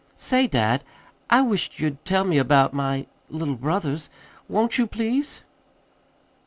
"Say, dad, I wish't you'd tell me about my little brothers. Won't you, please?"